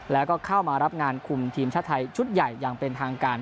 แล้วก็เข้ามารับงานคุมทีมชาติไทยชุดใหญ่อย่างเป็นทางการ